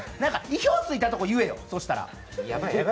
意表を突いたとこ言えよ、そうしたら。